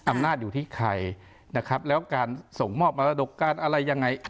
อำนาจอยู่ที่ใครนะครับแล้วการส่งมอบประสดการณ์อะไรยังไง